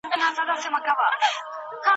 .کور ته د صنم ځو تصویرونو ته به څه وایو